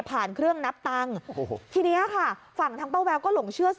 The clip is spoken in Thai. ผ่านเครื่องนับตังค์ทีนี้ฝั่งทางเป้าแววก็หลงเชื่อสิ